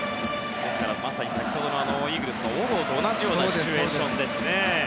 まさに先ほどのイーグルスの小郷と同じようなシチュエーションですね。